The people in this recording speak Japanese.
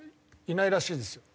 いないらしいですよ。